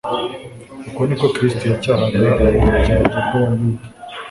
Uko niko Kristo yacyahaga uburyarya bw'Abayuda.